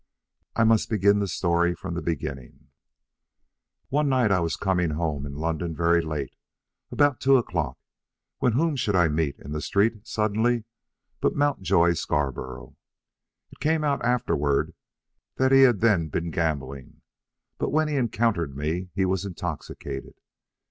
"I must begin the story from the beginning. One night I was coming home in London very late, about two o'clock, when whom should I meet in the street suddenly but Mountjoy Scarborough. It came out afterward that he had then been gambling; but when he encountered me he was intoxicated.